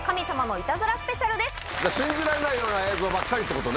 信じられないような映像ばっかりってことね。